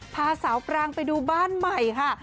พาสาวปรางไปดูบ้านใหม่ค่ะ